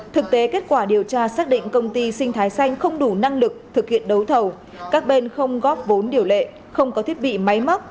thực tế kết quả điều tra xác định công ty sinh thái xanh không đủ năng lực thực hiện đấu thầu các bên không góp vốn điều lệ không có thiết bị máy móc